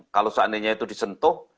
kalau seandainya itu disentuh